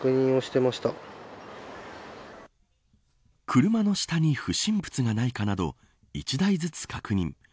車の下に不審物がないかなど１台ずつ確認。